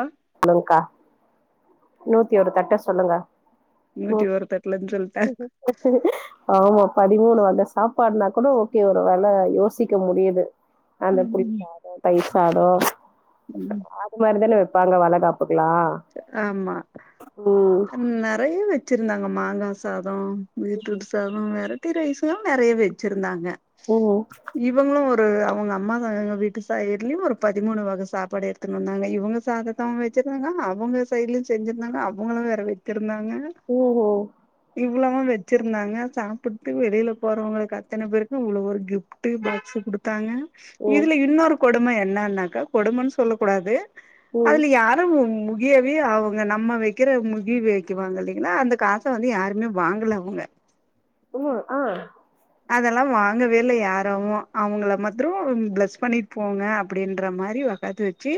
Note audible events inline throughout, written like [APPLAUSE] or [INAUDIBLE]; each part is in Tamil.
ஆ சொல்லுங்க்கா நூத்தியோரு தட்டோ சொல்லுங்க நூ நூத்தி ஒரு தட்லன்னு சொல்ட்டே ஆமா பதிமூணு வக சாப்பாடுனா கூடோ ஓகே ஒரு வேல யோசிக்க முடியுது. அந்த புளி சாதோ, தயிர் சாதோ ம் அது மாரிதான வப் பாங்க வளகாப்பு க்கெல்லா மா அ நெறைய வ ச்சிருந்தாங்க மாங்கா சாதோ பீட்ரூட் சாதோ வேற ட்டி ரைஸ்தா நெறைய வெச்சிருந்தாங்க ஓ ஓ ரு அவுங்க அம்மாங்க வீட்டு சைட்லியு ஒரு பதிமூணு வக சாப்பாடு எடுத்துனு வந்தாங்க இவுங்க சாதத்த அவுங்க வெச்சிருந்தாங்க அ வுங்க சைட்லயு செஞ்சிருந்தாங்க அவங்களு வேற வெச்சு ருந்தாங்க ம் இ வ்ளோவு வெச்சிருந்தாங்க சாப்புட்டு வெளில போறவங்களுக்கு அத்தன பேருக்கு உள்ள ஒரு கிஃப்ட்டு பாக்ஸு குடுத்தாங்க ம் ம் இதுல இன்னொரு கொடும என்னன்னாக்கா கொடுமன்னு சொல்லக் கூடாது ம் அதுல யாரு மொ மொ ய்யவே அவுங்க நம்ம வெக்கிற மொய்யி வெக்குவாங்க இல்லைங்களா அந்த காச வந்து யாருமே வாங்கல அவுங்க ஓ ஆ அதெல்லா வாங்கவே இல்ல யாரவு அவுங்கள மாத்திரோ ப்ளஸ் பண்ணிட் போங்க அப்பிடின்ற மாரி ஒக்காத்து வெச்சு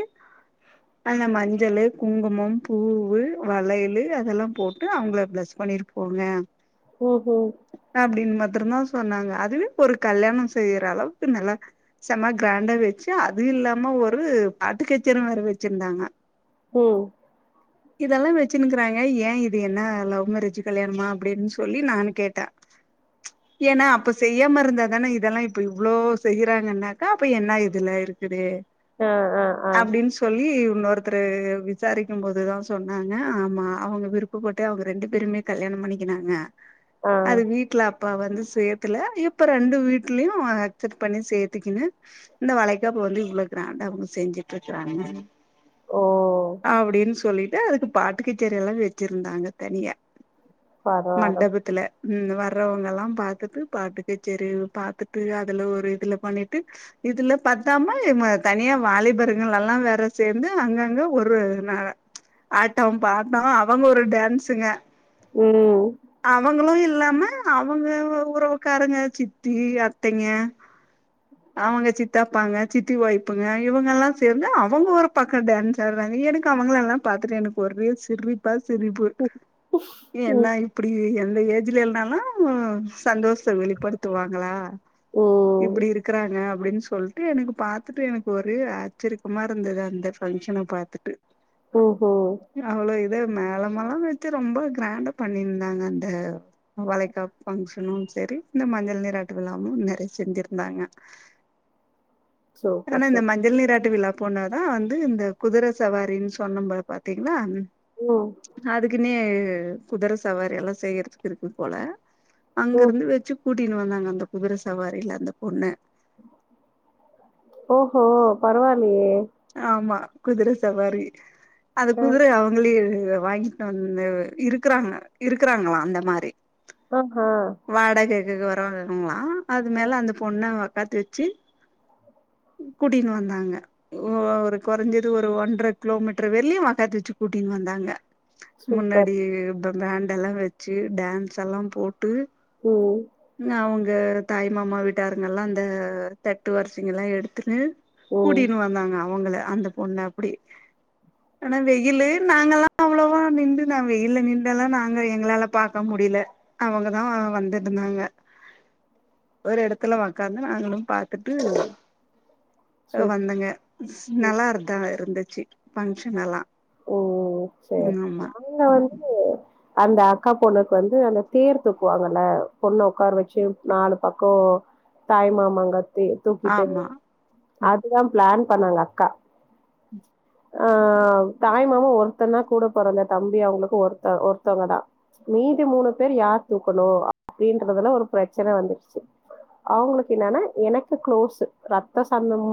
அந்த மஞ்சளு, குங்குமம், பூவு, வளையலு அதெல்லா போட்டு அவுங்கள ப்ளஸ் பண்ணிட்டு போங்க ஓஹோ திரந்தா சொன்னாங்க. அதுவே ஒரு கல்யாணோ செய்ற அளவுக்கு நல்லா செம கிராண்டா வெச்சு அது இல்லாம ஒரு பாட்டு கச்சேரி வேற வெச்சிருந்தாங்க ஓ இதெல்லா வெச்சுனுக்கிறாங்க யே இது என்ன லவ் மேரேஜு கல்யாணமா அப்டின்னு சொல்லி நானு கேட்டே ஏன்னா அப்ப செய்யாம இருந்தாதான இதெல்லா இப்ப இவ்ளோ செய்யறாங்கன்னாக்கா அப்ப என்ன இதுல இருக்குது ஆ ஆ ஆ அப்டின் சொல்லி இன்னொருத்தரு விசாரிக்கும் போது தா சொன்னாங்க ஆமா அவுங்க விருப்பப்பட்டு அவுங்க ரெண்டு பேருமே கல்யாண பண்ணிக்கினாங்க ஆ அது வீட்ல அப் அப்பா வந்து செய்யத்துல்ல இப்ப ரெண்டு வீட்லயு அக்செட் பண்ணி சேத்துக்கினு இந்த வளைகாப்பு வந்து இவ்ளோ கிராண்டா அவுங்க செஞ்சுட்டு இருக்கிறாங்க ஓ அப்டின்னு சொல்லி ட்டு அதுக்கு பாட்டு கச்சேரி எல்லா வெச்சிருந்தாங்க தனியா பரவால்ல மண்டபத்துல ம் வர்றவங்க எல்லாம் பாத் பாத்துட்டு பாட்டுக் கச்சேரி பாத்துட்டு அதுல ஒரு இதுல பண்ணிட்டு இதுல பத்தாம இவுங்க தனியா வாலிபருங்கள் எல்லாம் வேற சேந்து அங்கங்க ஒரு நா ஆட்டம் பாட்டம் அவங்க ஒரு டேன்ஸுங்க ம் லாம அவங்க உறவுக்காரங்க சித்தி அத்தைங்க அவங்க சித்தாப்பாங்க சித்தி ஒய்ப்புங்க இவங்க எல்லா சேந்து அவங்க ஒரு பக்கோ டேன்ஸ் ஆடறாங்க எனக்கு அவங்கள எல்லா பாத்துட்டு எனக்கு ஒரே சிரிப்பா சிரிப்பு ம் ம் என்ன இப்டி இந்த ஏஜ்ல இல்னாலு சந்தோஷத்த வெளிப்படுத்துவாங்களா இப்டி இருக்கறாங்க அப்டின் சொல்ட்டு எனக்கு பாத்துட்டு எனக்கு ஒரே ஆச்சரியக்கமா இருந்தது அந்த ஃபங்க்ஷன பாத்துட்டு ம்ஹ வு மேலமெல்லா வெச்சி ரொம்ப கிராண்டா பண்ணிந்தாங்க அந்த வளைக்காப் ஃபங்ஷ னும் செரி இந்த மஞ்சள் நீராட்டு விழாவும் நெறையா செஞ்சிருந்தாங்க ஆனா சூப்பர் இந்த சூப் மஞ்சள் நீராட்டு விழா பொண்ணதா வந்து இந்த குதிரை சவாரின்னு சொன்னம்ப பாத்தீங்களா ம் அதுக்குன்னே குதிர சவாரி எல்லாம் செய்யறதுக்கு இருக்கு போல அங்க ம் இருந்து வச்சி கூட் டின்னு வந்தாங்க அந்த குதிர சவாரில அந்த பொண்ண ஓஹோ பரவால்லியே ஆமா குதிர சவாரி அது ஆ குதிரயே அவுங்களே இத வாங்கிட்டு வந்து இருக்கறாங்க இருக்கறாங்களா அந்த மாரி ஆஹா [UNINTELLIGIBLE] அது ஆ மேல அந்த பொண்ணா பாத்து வெச்சு கூட்டினு வந்தாங்க ஒரு கொறஞ்சது ஒரு ஒன்ற கிலோமீட்டர் [UNINTELLIGIBLE] வெச்சு கூட்டின் வந்தாங்க சூப்பர். முன்னாடியே பேண்டெல்லா வெச்சு டேன்ஸ் எல்லாம் போ ட்டு ம். நியாவுங் இந்த தாய் மாமா வீட்டாருங்க எல்லா அந்த தட்டு வரிசைங்க எல்லா எடுத்துன்னு ம். கூட்டிட் ன்னாங்க அவுங்கள அந்த பொண்ணு அப்புடி ஆனா வெயிலு நாங்கல்லா அவ்வளோவா நின்டுதா வெயில்ல நின்டெல்லா நாங்க எங்களால பாக்க முடில அவங்கதா வந்துட்ருந்தாங்க ஒரு எடத்துல உக்காந்து நாங்களும் பாத்துட்டு சூப் வந்தங்க ம். நல்லா இருக்காங்க இருந்துச் ச்சு பன்க்ஷன் எல்லா ஓ சேர் ம் ஆமா ம் அந்த அக்கா பொண்ணுக்கு வந்து அந்த தேர் தூக்குவாங்கல்ல பொண்ணு உக்கார வெச்சு நாலு பக்கோ தாய் மாமாங்கத் தூ தூக்கிட்டு ஆமா ம் அதுதாம் பிளேன் பண்ணாங்க அக்கா ஆம் தாய்மா ஒருத்தன்னா கூட பொறந்த தம்பி அவங்களுக்கு ஒருத்த ஒருத்தவங்கதா மீதி மூணு பேர் யார் தூக்கணு அப்டின்றதுல ஒரு பிரெச்சன வந்துருச்சு அவங்களுக்கு என்னன்னா எனக்கு க்ளோஸ்ஸு ரத்தோ சந்தம்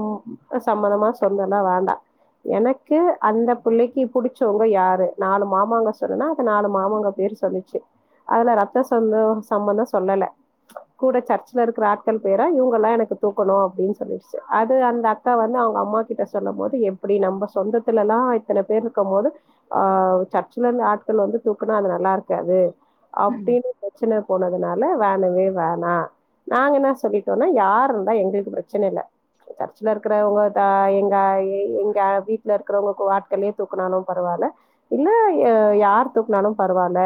சம்மந்தமா சொன்னல்லா வேண்டா எனக்கு அந்தப் புள்ளைக்கு புடுச்சவங்க யாரு நாலு மாமாங்க சொன்னனா அது நாலு மாமாங்க பேரு சொல்லுச்சு அதுல ரத்த சொந்தம் சம்பந்தம் சொல்லல கூட சர்ச்சுல இருக்குற ஆட்கள் பேரா இவங்கெல்லா எனக்கு தூக்கணு அப்டின் சொல்லிருச்சு அது அந்த அக்கா வந்து அவங்க அம்மா கிட்ட சொல்லும் போது எப்புடி நம்ப சொந்தத்துல எல்லா எப் அத்தன பேர் இருக்கும் போது ஆ சர்ச்சுல இருந்து ஆட்கள் வந்து தூக்குனா அது நல்லா இருக்காது அப்டின்னு பிரச்சனப் போனதுனால வேணவே வேணா நாங்க என்ன சொல்லிட்டோன்னா யாரு இருந்தா எங்களுக்கு பிரச்சன இல்ல சர்ச்சுல இருக்குறவங்கதா எங்க எங்க வீட்ல இருக்குறவங்க கோ ஆட் களே தூக்குனாலும் பரவால்ல இல்ல யார் தூக்குனாலும் பரவால்ல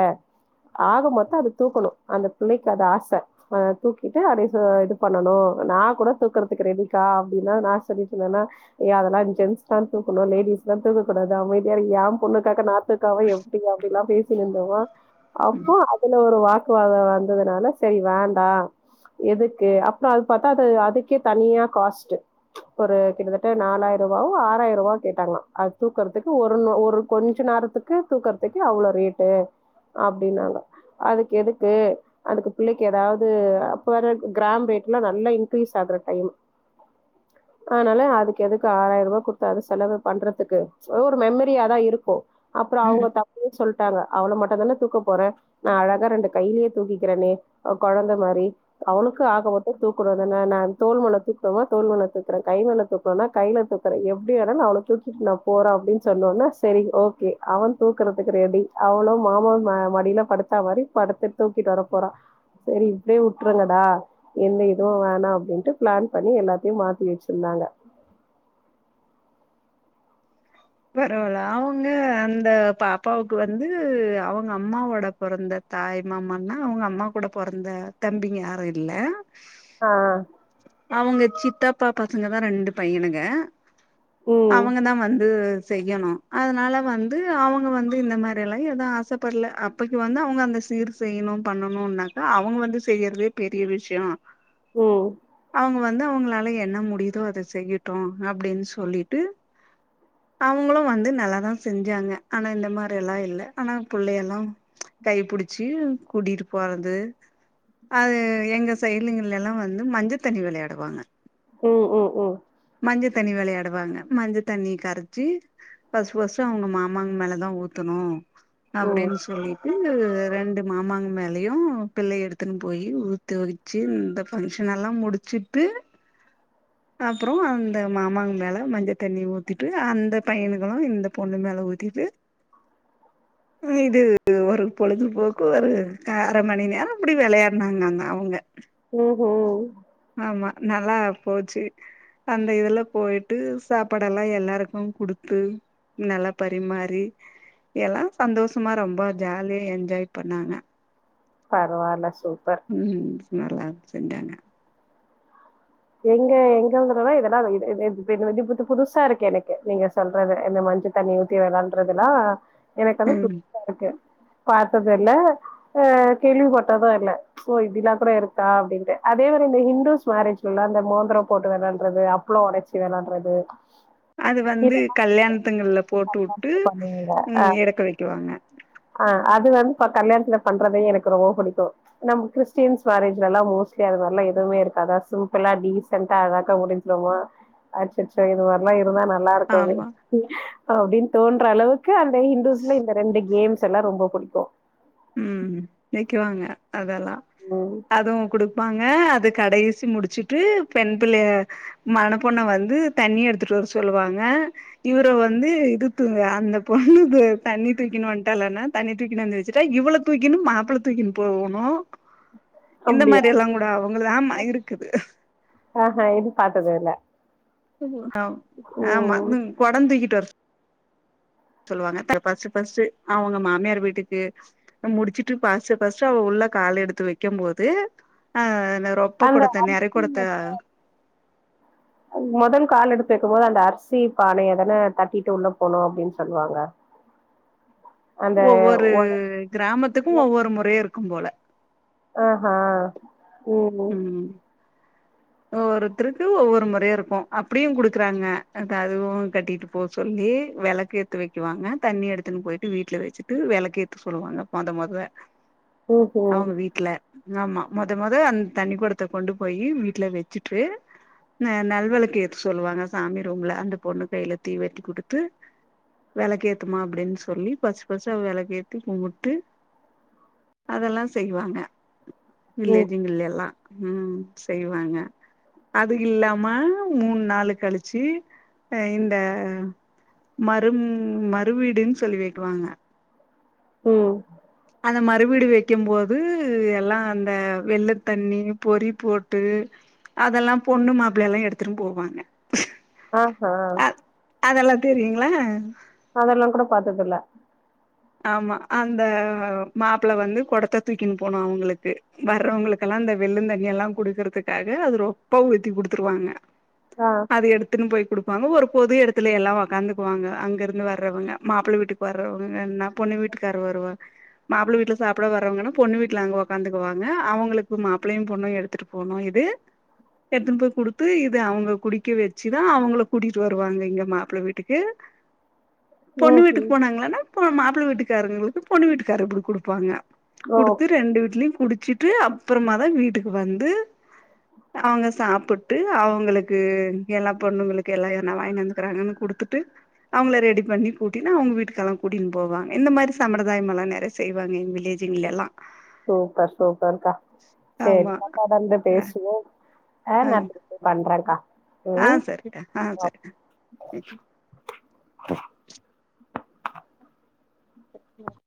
ஆக மொத்தோ அது தூக்கணு அந்த பிள்ளைக்கு அது ஆச ஆ தூக்கிட்டு அத இது பண்ணனு நா கூட தூக்கறதுக்கு ரெடிக்கா அப்டின்னா நா சொல்லிட்ருந்தனா ஏ அதெல்லா ஜென்ஸ்தா தூக்கணு லேடிஸ்லா தூக்க கூடாது அமைதியா இருங்க ஏ பொண்ணுக்காக நா [UNINTELLIGIBLE] எப்டி அப்டிலாம் பேசி நொந்தவோ அப்போ ம் அதுல ஒரு வார்த் [UNINTELLIGIBLE] வந்ததுனால சேரி வேண்டா எதுக்கு அப்புறோ அது பாத்தா அது அதுக்கே தனியா காஸ்ட்டு ஒரு கிட்டத்தட்ட நாலாயிரூவாவோ ஆறாயிரூவாவோ கேட்டாங்களா அத் தூக்குறதுக்கு ஒரு ஒரு கொஞ்சோ நேரத்துக்கு தூக்குறதுக்கு அவ்வளோ ரேட்டு அப்டின்னாங்க அதுக்கு எதுக்கு அதுக்கு புள்ளைக்கு எதாவது அப்போ வேற கிராம் ரேட்லா நல்லா இன்க்ரீஸ் ஆகுற டைம் அதனால அதுக்கு எதுக்கு ஆறாயிரூவா குடுத்த அது செலவு பண்றதுக்கு ஒரு மெமரியாதா இருக்கு அப்புறோ ம் அவங்க ம் தம்பியு சொல்ட்டாங்க அவள மட் [UNINTELLIGIBLE] தூக்க போற நா அழகா ரெண்டு கையிலயே தூக்கிக்கிறனே கொழந்த மாரி அவளுக்கு ஆக மொத்தோ தூக் க்குறது நா நா தோல் மேல தூக்கனுமா தோல் மேல தூக்கற கை மேல் தூக்கனுன்னா கை மேல தூக்கற எப்டினாலும் நா அவள தூக்கிட்டு நாம் போறோ அப்டின் சொன்ன ஒன்னே சேரி ஓகே அவன் தூக்குறதுக்கு ரெடி அவளு மாம ம மடியில படுத்தா மாரி படுத்து தூக்கிட்டு வர போறா சேரி இப்டியே உட்ருங்கடா எந்த இதுவு வேணா அப்டின்ட்டு பிளேன் பண்ணி எல்லாத்தையு மாத்தி வெச்சுருந்தாங்க பரவால்ல அவுங்க அந்த பாப்பாவுக்கு வந்து அவுங்க அம்மாவோட பொறந்த தாய் மாமன்னா அவுங்க அம்மா கூட பொறந்த தம்பிங்க யாரு இல்ல ஆ அவங்க சித்தாப்பா பசங்க தா ரெண்டு பையனுங்க ம் அவங்க தா வந்து செய்யணு அதனால வந்து அவங்க வந்து இந்த மாரிலா ஏதா ஆசப்படல அப்பக்கு வந்து அவங்க அந்த சீர் செய்யணு பண்ணணும்னாக்கா அவங்க வந்து செய்யறதே பெரிய விஷயோ ம் அவங்க வந் வந்து அவங்களால என்ன முடியுதோ அத செய்யட்டோ அப்டின்னு சொல்லிட்டு அவங்களு வந்து நல்லாதா செஞ்சாங்க ஆனா இந்த மாரிலா இல்ல ஆனா பிள்ளையலா கைபிடிச்சு கூட்டிட்டு போறது அது எங்க சய்டுங்கலல்லா வந்து மஞ்ச தண்ணி விளையாடுவாங்க ஓ ஓ ஓ மஞ்ச தண்ணி விளையாடுவாங்க மஞ்ச தண்ணி கர ச்சி ஃபஸ்ட் ஃபஸ்ட் அவங்க மாமாங்க மேல தா ஊத்தணு ம் அப்டின்னு சொல்லி [INAUDIBLE] ரெண்டு மாமாங்க மேலயு பிள்ளய எடுத்துன்னு போய் ஊத்த வச்சு இந்த ஃபங்ஷனல்லா முடிச்சுட்டு அப்றோ அந்த மாமாங்க மேல மஞ்ச தண்ணி ஊத்திட்டு அந்த பயன்களு இந்த பொண்ணு மேல உத்திட்டு இது ஒரு பொழுதுபோக்கு ஒரு அர மணி நேரோ அப்படி விளையாடுனான்னாங்க அவங்க ஓஹோ ஆமா நல்லா போச்சு அந்த இதுல போயிட்டு சாப்பாடல்லா எல்லாருக்கு குடுத்து நல்ல பரிமாறி எல்லா சந்தோஷமா ரொம்ப ஜாலியா என்ஜாய் பண்ணாங்க பரவாயில்ல உ உ நல்லா செஞ்சாங்க எங்க எங்கதலா இதெல்லா புது புதுசா இருக்கு எனக்கு நீங்க சொல்றது இந்த மஞ்ச தண்ணி ஊத்தி விளையாட்ரதெல்லா எனக்கு அது ம் புத்சா இருக்கு பாத்தது இல்ல அ கேள்விப்பட்டது இல்ல ஓ இப்டில்லா கூட இருக்கா அப்படின்ட்டு அதே மாரி இந்த ஹிந்துஸ் மேரேஜ் இந்த மோந்திரோ போட்டு விளையாடுறது அப்பளோ உடச்சி விளையாடுறது அது வந்து கல்யாணத்துங்கள்ல போட்டு விட்டு உ எறக்க வைக்குவாங்க ஆ அது வந்து பா கல்யாணத்துல பண்றதையு எனக்கு ரொம்ப பிடிக்கு நம்ம கிறிஸ்டியன்ஸ் மேரேஜ்லலா மோஸ்ட்லி அதுமாரிலா எதுவுமே இருக்காதா சோ இப்பல்லா டீசண்டா அழாகா முடிங்கலாமா அச்சச்சோஇது மாரிலா இருந்தா ந நல்லா இருக்குமே ஆமா அப்டின்னு தோன்ற அளவுக் கு அந்த ஹந்துஸ்ல இந்த ரெண்டு கேம்ஸ் எல்லா ரொம்ப பிடிகு உ நெக்குவாங்க அதெல்லா ம் அதுவு குடுப்பாங்க ந்து கடைசி முடிச்சுட்டு பெண் பிள்ளைய மண பொண்ண வந்து தண்ணி எடுத்துட்டு வர சொல்லுவாங்க இவர வந்து இதுத்து அந்த பொண்ணு தண்ணி தூக்கினு வட்டாளனா தண்ணி தூக்குனுவந்துவச்ச ச்சுடா இவள தூக்கினு மாப்பிள தூக்கின்னு போணு இந்த அப்டியா மாரி எல்லா கூட அவங்க ஆமா இருக்குது ஆ இது பாத்ததில்ல [UNINTELLIGIBLE] அ ஆமா [UNINTELLIGIBLE] கொடம் தூக்கிட்டு வரு சொல்லுவாங்க ஃபர்ஸ்ட் ஃபர்ஸ்டு அவங்க மாமியார் வீட்டுக்கு முடிச்சுட்டு ஃபர்ஸ்ட் ஃபர்ஸ்டு அவ உள்ள காால் எடுத்து வைக்கும்போது ஆ அந்த அரிசில முதல முதல் கால் எடுத் கேகும்போது அந்த அரிசி பானை எதனே தட்டிட்டு உள்ள போகணு அப்படின்னு சொல்லுவாங்க அந்த ஒவ்வொரு கிராமத்துக்கு ஒவ்வொரு முற இருக்கு போல ஆ ஆ ம் ஒவ்வொருத்தருக்கு ஒவ்வொரு முறையா இருக்கு அப்படியு குடுக்குறாங்க அ அதுவு கட்டிட்டு போ சொல்லி விளக்கு ஏத்து வைக்குவாங்க தண்ணி எடுத்துன்னு போயிட்டு வீட்டுல வச்சுட்டு விளக்கு ஏத்து சொல்லுவாங்க முத முத ம் ம் அவங்க வீட்ல ஆமா மொத மொத அந்த தண்ணிகுடத்த கொண்டு போய் வி வீட்டுல வச்சுட்டு ஆ நல்வளக்கு ஏத்து சொல்லுவாங்க சாமி ரூம்ல அந்த பொண்ணு கையில தீ வெட்டி குடுத்து விளக்கு ஏத்துமா அப்படின்னு சொல்லி ஃபர்ஸ்ட் ஃபர்ஸ்டு விளக்க ஏத்தி கும்பிட்டு அதெல்லா செய்வாங்க ம் வில்லேஜ்குல் எல்லா ம் செய்ய வாங்க அதுக்கு இல்லாம மூணு நாள் கழிச்சு அ இந்த மறு மறுவீடுன்னு சொல்லி வைக்குவாங்க ம் அந்த மறுவீடு வைக்கும்போது எல்லா அந்த வெள்ளை தண்ணி பொறி போட்டு அதெல்லா பொண்ணு மாப்பிளை எல்லா எடுத்துட்டு போவாங்க ஆ ஆ அ அதெல்லா தெரியுங்களா அதெல்லா கூட பாத்ததுல்ல ஆமா அந்த மாப்பிள வந்து குடத்த தூக்கின் போனு அவங்களுக்கு வர்றவங்களுக்கெல்லா இந்தந்த வெள்ளு தண்ணி எல்லா குடுக்குறதுக்காக அது ரொப்பா ஊத்தி குடுத்துருவாங்க ஆ அது எடுத்துன் போய் கொடு வாங்க ஒரு பொது இடத்துல எல்லா உக்காந்துக்குவாங்க அங்க இருந்து வர்றவங்க மாப்பிள வீட்டுக்கு வர்றவங்கனா பொண்ணு வீட்டுக்கார வருவா மாப்பிளை வீட்டுல சாப்பிட வரறவங்கன்னா பொண்ணு வீட்டுல அங்க உக்காந்துக்குவாங்க அவங்களுக்கு மாப்பிள்ளையு பொண்ணும் எடுத்துட்டு போனணு இது எத்தன்ன போய் குடுத்து இது அவங்க குடிக்க வச்சுதான் அவங்கள கூட்டிட்டு வருவாங்க இங்க மாப்பிள வீட்டுக்கு பொண்ணு ம் வீட்டுக்கு ம் போனாங்களானா [UNINTELLIGIBLE] ப்பிள வீட்டுக்காரங்களுக்கு பொண்ணு வீட்டுக்காரரு அப்டி கொடுப்பாங்க ஓ குடுத்து ரெண்டு வீட்லயு குடிச் குச்சிட்டு அப்புறமா தா வீட்டுக்கு வந்து அவங்க சாப்பிட்டு அவங்களுக்கு எல்லா பொண்ணுங்களுக்கு எல்லா என்ன வாங்கிந்துக்கறாங்கன்னு குடுத்துட்டு அவங்கள ரெடி பண்ணி கூட்டினா அவங்க வீட்டுக்கெல்லா கூட்டி போவாங்க இந்த மாரி சம்பதாயம் எல்லா நெறைய செய்வாங்க எங்க வில்லேஜில எல்லா சூப்பர் சூப்பர் கா சேர் ஆமா [UNINTELLIGIBLE] ஆ பேசுவோ ஆ ந [UNINTELLIGIBLE] [UNINTELLIGIBLE] ஆ சரிடா ஆ சரிடா தேங்க்யூ அம் [UNINTELLIGIBLE]